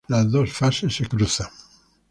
Los dos fases se cruzan.